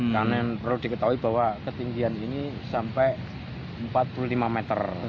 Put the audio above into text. karena yang perlu diketahui bahwa ketinggian ini sampai empat puluh lima meter